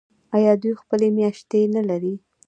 آیا دوی خپلې میاشتې نلري؟